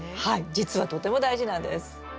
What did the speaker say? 実はとても大事なんです。